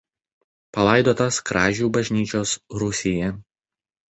Palaidotas Kražių bažnyčios rūsyje.